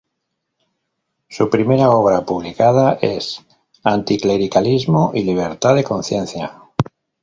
Su primera obra publicada es "Anticlericalismo y libertad de conciencia.